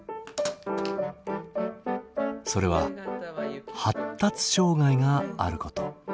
それは発達障害があること。